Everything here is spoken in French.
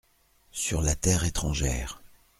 Sur la terre étrangère !